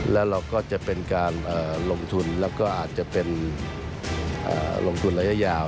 แล้วเราก็จะเป็นการลงทุนแล้วก็อาจจะเป็นลงทุนระยะยาว